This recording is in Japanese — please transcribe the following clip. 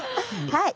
はい。